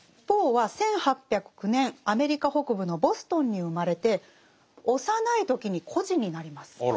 ポーは１８０９年アメリカ北部のボストンに生まれて幼い時に孤児になります。